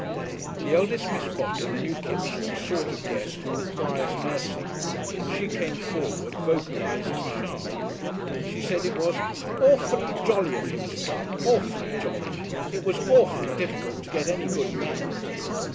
The eldest Miss Botting knew Kipps was the sort of guest who requires nursing, and she came forward vocalising charm. She said it was "Awfully jolly of him to come, awfully jolly. It was awfully difficult to get any good men!"